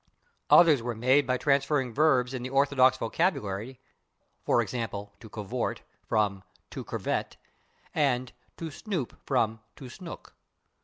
Others were made by transforming verbs in the orthodox vocabulary, /e. g./, /to cavort/ from /to curvet/, and /to snoop/ from /to snook